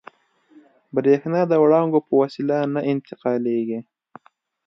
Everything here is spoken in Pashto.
برېښنا د وړانګو په وسیله نه انتقالېږي.